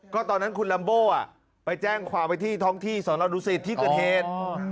เลยตอนนั้นคุณลัมโบวิสานไปแจ้งเองขวาที่ทองที่สอนอดูซิตที่กระเทศ